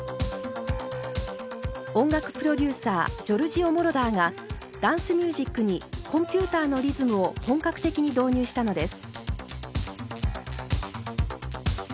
音楽プロデューサージョルジオ・モロダーがダンス・ミュージックにコンピューターのリズムを本格的に導入したのです。